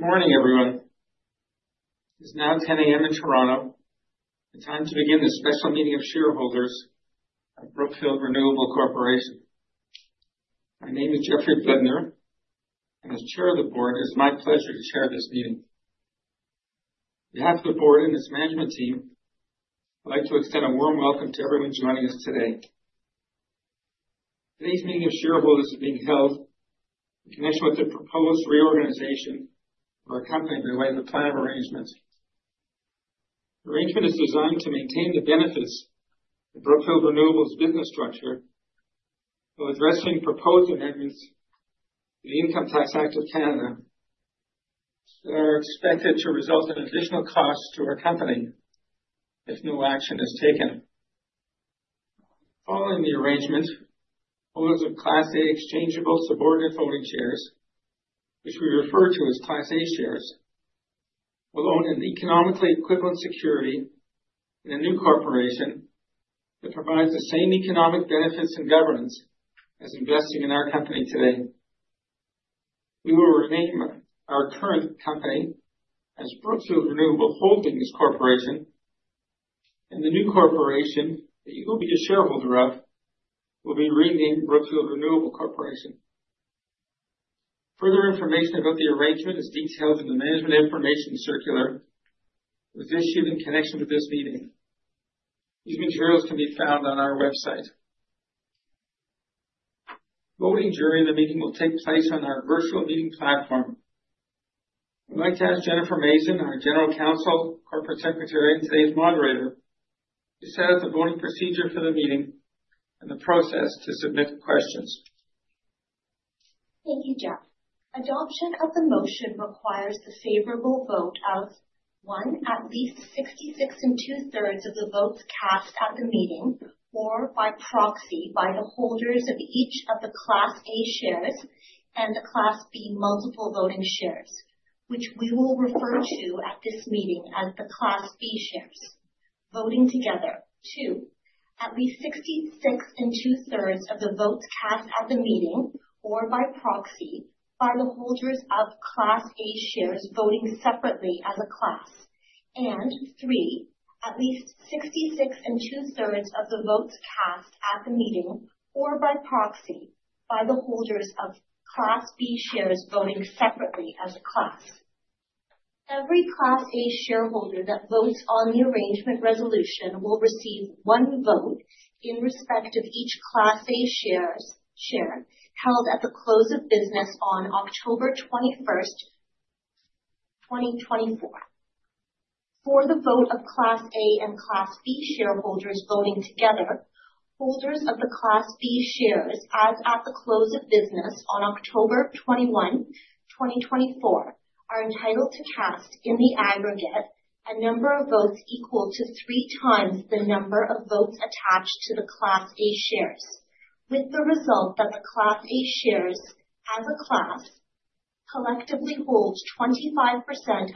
Good morning, everyone. It is now 10:00 A.M. in Toronto, the time to begin the special meeting of shareholders of Brookfield Renewable Corporation. My name is Jeffrey Blidner, and as Chair of the Board, it is my pleasure to chair this meeting. On behalf of the Board and its management team, I'd like to extend a warm welcome to everyone joining us today. Today's meeting of shareholders is being held in connection with the proposed reorganization of our company by way of the Plan of Arrangement. The arrangement is designed to maintain the benefits of Brookfield Renewable's business structure while addressing proposed amendments to the Income Tax Act of Canada that are expected to result in additional costs to our company if no action is taken. Following the arrangement, owners of Class A Exchangeable Subordinate Voting Shares, which we refer to as Class A shares, will own an economically equivalent security in a new corporation that provides the same economic benefits and governance as investing in our company today. We will remain our current company as Brookfield Renewable Holdings Corporation, and the new corporation that you will be the shareholder of will be renamed Brookfield Renewable Corporation. Further information about the arrangement is detailed in the Management Information Circular, which is issued in connection with this meeting. These materials can be found on our website. The voting portion of the meeting will take place on our virtual meeting platform. I'd like to ask Jennifer Mazin, our General Counsel, Corporate Secretary, and today's moderator, to set up the voting procedure for the meeting and the process to submit questions. Thank you, Jeff. Adoption of the motion requires the favorable vote of, one, at least 66 and two-thirds of the votes cast at the meeting, or by proxy by the holders of each of the Class A shares and the Class B Multiple Voting Shares, which we will refer to at this meeting as the Class B shares, voting together, two, at least 66 and two-thirds of the votes cast at the meeting, or by proxy by the holders of Class A shares voting separately as a class, and three, at least 66 and two-thirds of the votes cast at the meeting, or by proxy by the holders of Class B shares voting separately as a class. Every Class A shareholder that votes on the Arrangement Resolution will receive one vote in respect of each Class A share held at the close of business on October 21st, 2024.For the vote of Class A and Class B shareholders voting together, holders of the Class B shares as at the close of business on October 21, 2024, are entitled to cast in the aggregate a number of votes equal to three times the number of votes attached to the Class A shares. With the result that the Class A shares as a class collectively hold 25%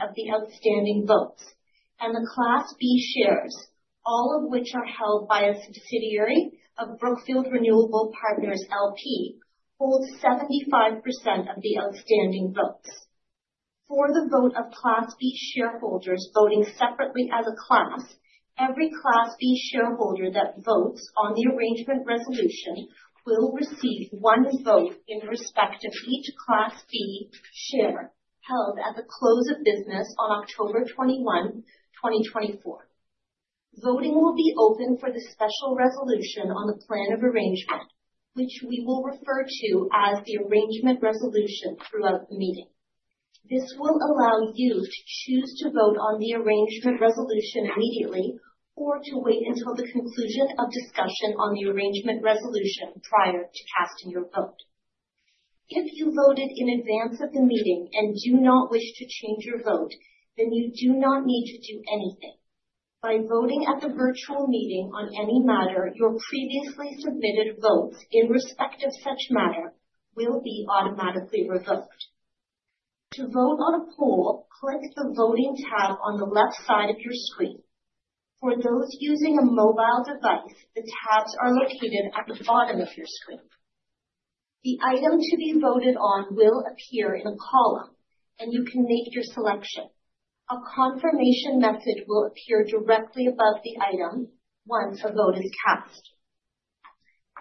of the outstanding votes, and the Class B shares, all of which are held by a subsidiary of Brookfield Renewable Partners, L.P., hold 75% of the outstanding votes. For the vote of Class B shareholders voting separately as a class, every Class B shareholder that votes on the arrangement resolution will receive one vote in respect of each Class B share held at the close of business on October 21, 2024.Voting will be open for the special resolution on the plan of arrangement, which we will refer to as the arrangement resolution throughout the meeting. This will allow you to choose to vote on the arrangement resolution immediately or to wait until the conclusion of discussion on the arrangement resolution prior to casting your vote. If you voted in advance of the meeting and do not wish to change your vote, then you do not need to do anything. By voting at the virtual meeting on any matter, your previously submitted votes in respect of such matter will be automatically revoked. To vote on a poll, click the voting tab on the left side of your screen. For those using a mobile device, the tabs are located at the bottom of your screen. The item to be voted on will appear in a column, and you can make your selection.A confirmation message will appear directly above the item once a vote is cast.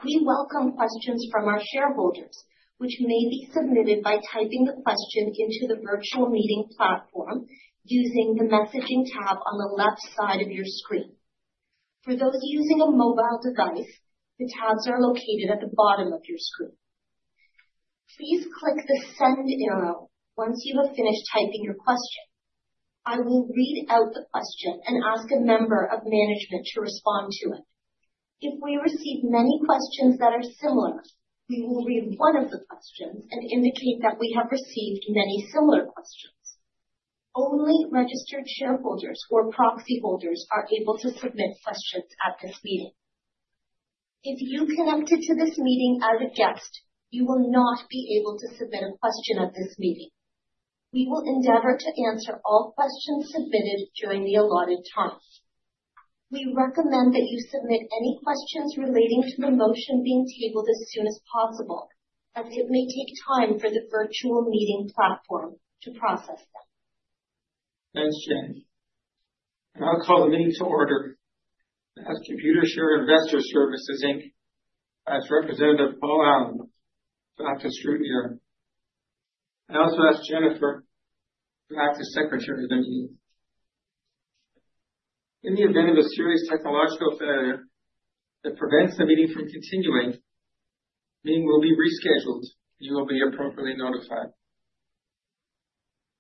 We welcome questions from our shareholders, which may be submitted by typing the question into the virtual meeting platform using the messaging tab on the left side of your screen. For those using a mobile device, the tabs are located at the bottom of your screen. Please click the send arrow once you have finished typing your question. I will read out the question and ask a member of management to respond to it. If we receive many questions that are similar, we will read one of the questions and indicate that we have received many similar questions. Only registered shareholders or proxy holders are able to submit questions at this meeting. If you connected to this meeting as a guest, you will not be able to submit a question at this meeting. We will endeavor to answer all questions submitted during the allotted time. We recommend that you submit any questions relating to the motion being tabled as soon as possible, as it may take time for the virtual meeting platform to process them. Thanks, Jen. And I'll call the meeting to order. I ask Computershare Investor Services Inc. to ask Representative Paul Allen to act as scrutineer. I also ask Jennifer to act as secretary of the meeting. In the event of a serious technological failure that prevents the meeting from continuing, the meeting will be rescheduled, and you will be appropriately notified.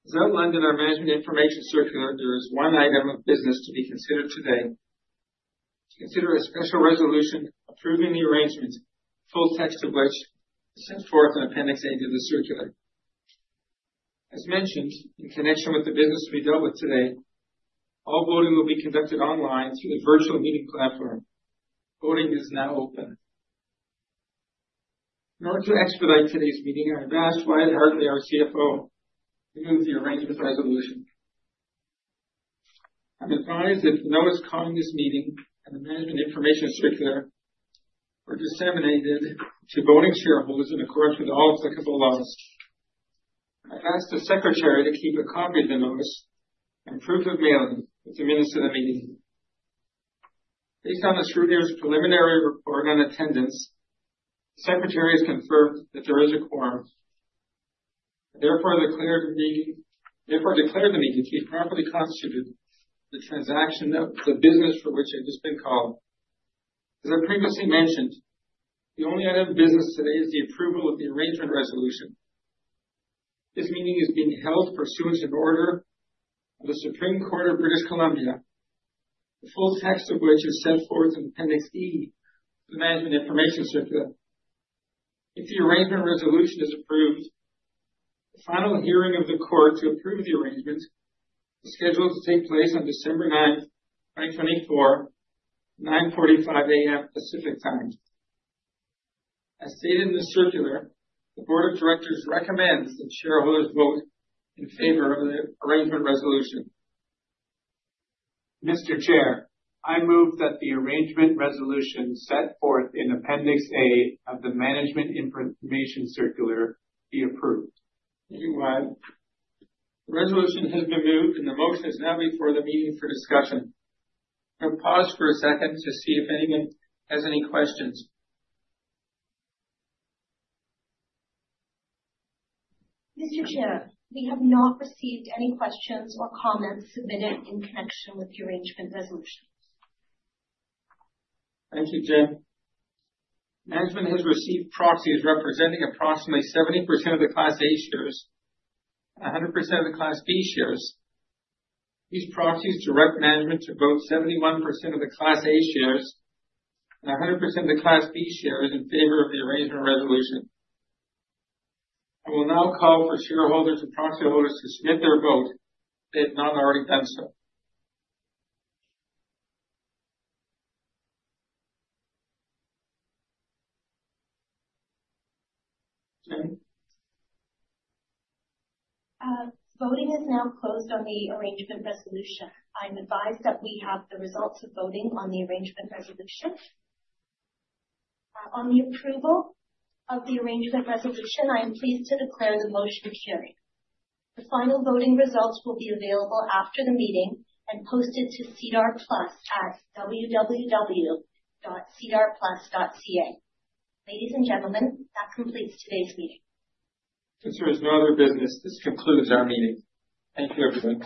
As outlined in our Management Information Circular, there is one item of business to be considered today. To consider a special resolution approving the arrangement, full text of which is set forth in Appendix A to the circular. As mentioned, in connection with the business we dealt with today, all voting will be conducted online through the virtual meeting platform. Voting is now open. In order to expedite today's meeting, I've asked Wyatt Hartley, our CFO, to move the arrangement resolution. I'm advised that the notice calling this meeting and the Management Information Circular were disseminated to voting shareholders in accordance with all applicable laws. I've asked the secretary to keep a copy of the notice and proof of mailing with the minutes of the meeting. Based on the scrutineer's preliminary report on attendance, the secretary has confirmed that there is a quorum. I therefore declare the meeting to be properly constituted, the transaction of the business for which I've just been called. As I previously mentioned, the only item of business today is the approval of the Arrangement Resolution. This meeting is being held pursuant to an order of the Supreme Court of British Columbia, the full text of which is set forth in Appendix E to the Management Information Circular.If the arrangement resolution is approved, the final hearing of the court to approve the arrangement is scheduled to take place on December 9th, 2024, at 9:45 A.M.Pacific Time. As stated in the circular, the Board of Directors recommends that shareholders vote in favor of the arrangement resolution. Mr. Chair, I move that the arrangement resolution set forth in Appendix A of the Management Information Circular be approved. Thank you, Wyatt. The resolution has been moved, and the motion is now before the meeting for discussion. I'm going to pause for a second to see if anyone has any questions. Mr. Chair, we have not received any questions or comments submitted in connection with the Arrangement Resolution. Thank you, Jen. Management has received proxies representing approximately 70% of the Class A shares and 100% of the Class B shares. These proxies direct management to vote 71% of the Class A shares and 100% of the Class B shares in favor of the Arrangement Resolution. I will now call for shareholders and proxy holders to submit their vote if they have not already done so. Voting is now closed on the arrangement resolution. I'm advised that we have the results of voting on the arrangement resolution. On the approval of the arrangement resolution, I am pleased to declare the motion carried. The final voting results will be available after the meeting and posted to SEDAR+ at www.sedarplus.ca. Ladies and gentlemen, that completes today's meeting. Since there is no other business, this concludes our meeting. Thank you, everyone.